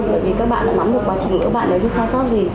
bởi vì các bạn đã nắm được quá trình của các bạn nếu như xa xót gì